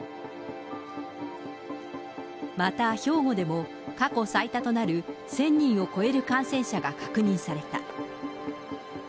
また兵庫でも、過去最多となる１０００人を超える感染者が確認された。